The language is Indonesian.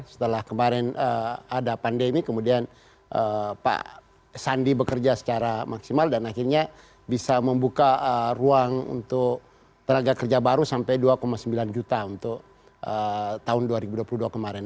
setelah kemarin ada pandemi kemudian pak sandi bekerja secara maksimal dan akhirnya bisa membuka ruang untuk tenaga kerja baru sampai dua sembilan juta untuk tahun dua ribu dua puluh dua kemarin